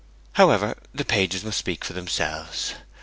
However, the pages must speak for themselves.